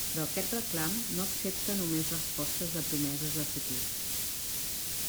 Però aquest reclam no accepta només respostes de promeses de futur.